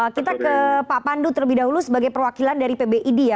kita ke pak pandu terlebih dahulu sebagai perwakilan dari pbid ya